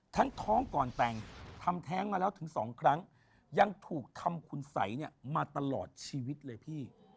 ทั้งท้องก่อนแต่งทำแท้งมาแล้วถึง๒ครั้งยังถูกทำคุณสัยเนี่ยมาตลอดชีวิตเลยพี่